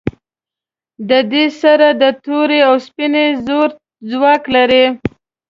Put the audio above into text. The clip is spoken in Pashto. له ده سره د تورې او سپینې زور څوک لري.